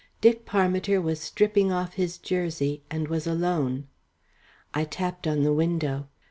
Dick Parmiter was stripping off his jersey, and was alone. I tapped on the window.